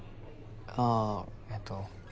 あえっと。